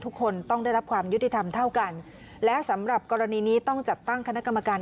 ทุกคนต้องได้รับความยุติธรรมเท่ากันและสำหรับกรณีนี้ต้องจัดตั้งคณะกรรมการ